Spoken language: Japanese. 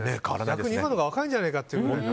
逆に今のほうが若いんじゃないかってくらい。